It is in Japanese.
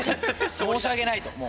申し訳ないと、もう。